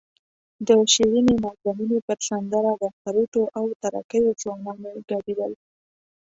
د شیرینې نازنینې پر سندره د خروټو او تره کیو ځوانان ګډېدل.